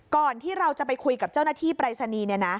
ก่อนที่เราจะไปคุยกับเจ้าหน้าที่ปรายศนีย์